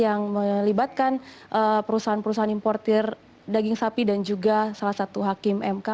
yang melibatkan perusahaan perusahaan importer daging sapi dan juga salah satu hakim mk